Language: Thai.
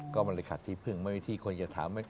ก็มันเลยขัดที่พึ่งมันมีที่คนจะถาม